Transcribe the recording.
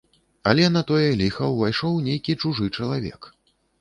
Але на тое ліха ўвайшоў нейкі чужы чалавек.